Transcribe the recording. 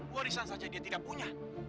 warisan saja dia tidak punya